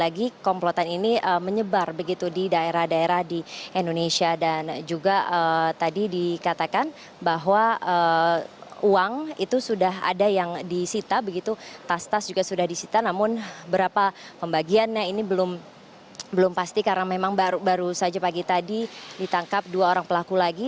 lagi komplotan ini menyebar begitu di daerah daerah di indonesia dan juga tadi dikatakan bahwa uang itu sudah ada yang disita begitu tas tas juga sudah disita namun berapa pembagiannya ini belum pasti karena memang baru baru saja pagi tadi ditangkap dua orang pelaku lagi